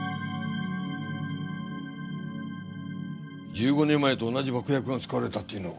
１５年前と同じ爆薬が使われたっていうのか？